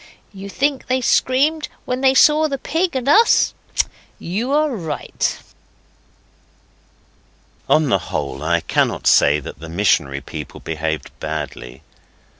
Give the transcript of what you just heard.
You think they screamed when they saw the Pig and Us? You are right. On the whole, I cannot say that the missionary people behaved badly.